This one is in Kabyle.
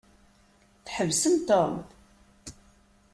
Tḥebsem Tom?